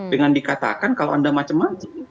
dengan dikatakan kalau anda macem macem